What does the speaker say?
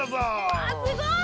わすごい。